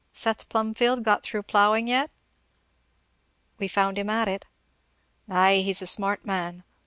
"Seth Plumfield got through ploughing yet?" "We found him at it." "Ay, he's a smart man.